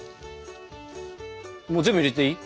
もう全部入れていい？